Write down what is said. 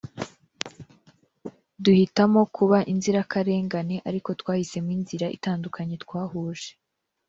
duhitamo kuba inzirakarengane ariko twahisemo inzira itandukanye twahuje